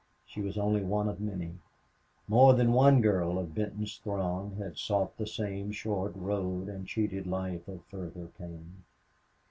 She was only one of many. More than one girl of Benton's throng had sought the same short road and cheated life of further pain.